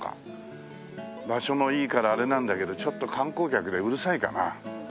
場所もいいからあれなんだけどちょっと観光客でうるさいかな？